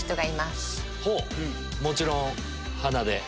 もちろん鼻で？